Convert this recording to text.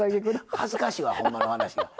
恥ずかしいわほんまの話。